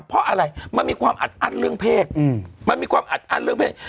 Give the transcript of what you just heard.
เพราะอะไรมันมีความอัดอัดเรื่องเพศ